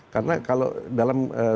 karena kalau dalam